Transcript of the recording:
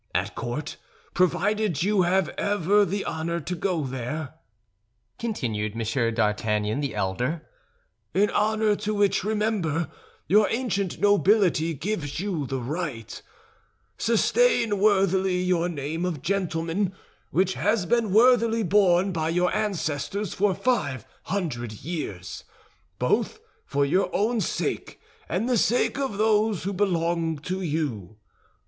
At court, provided you have ever the honor to go there," continued M. d'Artagnan the elder, "—an honor to which, remember, your ancient nobility gives you the right—sustain worthily your name of gentleman, which has been worthily borne by your ancestors for five hundred years, both for your own sake and the sake of those who belong to you.